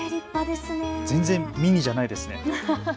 全然ミニじゃないですね。